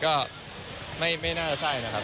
ก็ไม่น่าใช่นะครับ